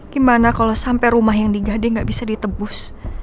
gimana kalau sampai rumah yang digade nggak bisa ditebus